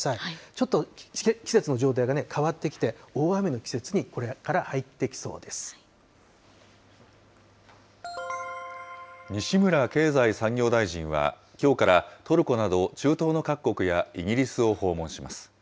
ちょっと季節の状態がね、変わってきて、大雨の季節にこれから入西村経済産業大臣は、きょうからトルコなど、中東の各国やイギリスを訪問します。